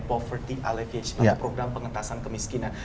poverty allegage atau program pengentasan kemiskinan